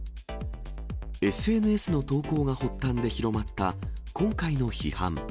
ＳＮＳの投稿が発端で広まった、今回の批判。